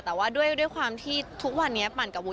แต่ว่าด้วยความที่ทุกวันนี้ปั่นกับวุฒ